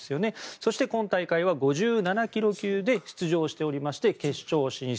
そして、今大会は５７ｋｇ級で出場していまして、決勝進出。